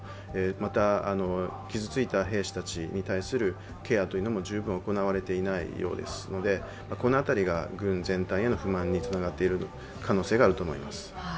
また傷ついた兵士たちに対するケアも十分行われていないようですのでこの辺りは軍全体への不満につながっている可能性があると思います。